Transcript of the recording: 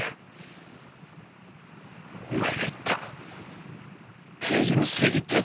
お前が言った刑事の正義ってやつを見せてみろ。